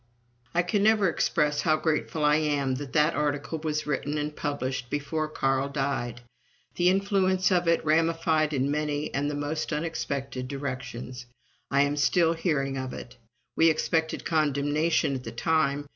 I can never express how grateful I am that that article was written and published before Carl died. The influence of it ramified in many and the most unexpected directions. I am still hearing of it. We expected condemnation at the time.